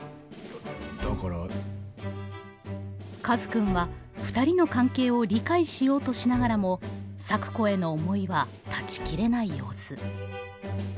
カズくんはふたりの関係を理解しようとしながらも咲子への思いは断ち切れない様子。